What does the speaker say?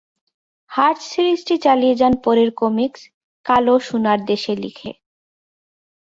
Hertz সিরিজটি চালিয়ে যান পরের কমিকস "কালো সোনার দেশে" লিখে।